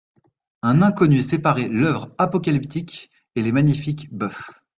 Un inconnu séparait l'œuvre apocalyptique et les magnifiques bœufs.